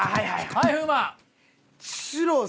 はい風磨。